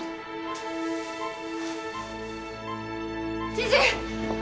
知事！